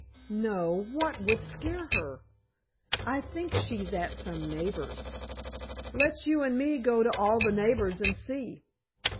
"No; what would scare her? I think she's at some neighbor's." "Let's you and me go to all the neighbors and see."